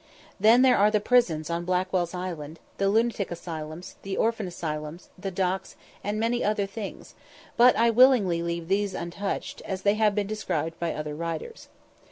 Then there are the prisons on Blackwell's Island, the lunatic asylums, the orphan asylums, the docks, and many other things; but I willingly leave these untouched, as they have been described by other writers.